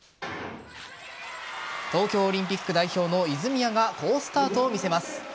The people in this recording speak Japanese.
東京オリンピック代表の泉谷が好スタートを見せます。